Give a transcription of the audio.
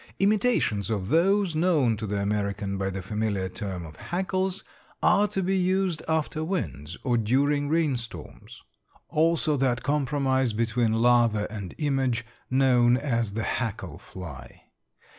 Imitations of those known to the American by the familiar term of hackles are to be used after winds or during rain storms; also that compromise between larvae and image known as the hackle fly.